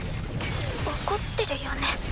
怒ってるよね？